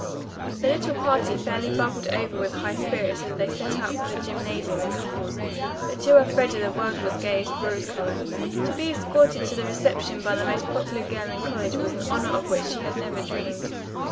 The little party fairly bubbled over with high spirits as they set out for the gymnasium in couples, but to Elfreda the world was gayest rose color. To be escorted to the reception by the most popular girl in college was an honor of which she had never dreamed.